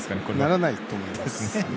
ならないと思います。